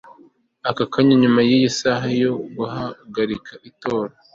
akanya nyuma y isaha yo guhagarika itora